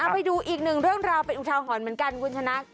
ไปดูอีกหนึ่งเรื่องราวเป็นอุทาหรณ์เหมือนกันคุณชนะ